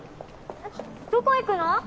どこ行くの？